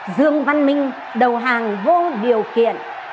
dương văn minh đầu hàng vô điều kiện